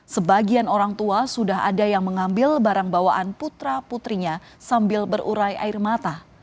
sebagian orang tua sudah ada yang mengambil barang bawaan putra putrinya sambil berurai air mata